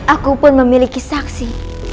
aku pun memiliki saksi